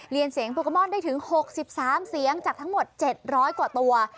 เรียนเสียงโปเกมอนได้ถึง๖๓เสียงจากทั้งหมด๗๐๐กว่าตัว